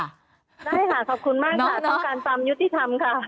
ได้ค่ะขอบคุณมากค่ะต้องการความยุติธรรมค่ะ